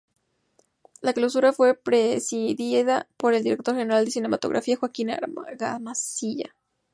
La clausura fue presidida por el director general de Cinematografía Joaquín Argamasilla.